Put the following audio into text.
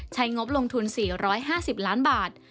งบลงทุน๔๕๐ล้านบาท